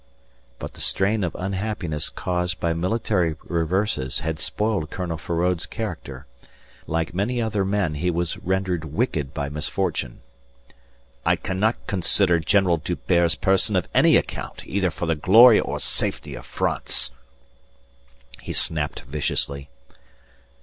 But the strain of unhappiness caused by military reverses had spoiled Colonel Feraud's character. Like many other men he was rendered wicked by misfortune. "I cannot consider General D'Hubert's person of any account either for the glory or safety of France," he snapped viciously.